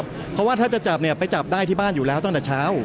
เพราะว่าถ้าจะจับเนี่ยไปจับได้ที่บ้านอยู่แล้วตั้งแต่เช้า